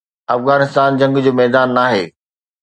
افغانستان جنگ جو ميدان ناهي.